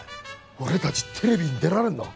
俺たちテレビに出られんの？